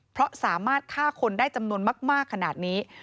เพราะสามารถฆ่าคนได้จำนวนมากขนาดนี้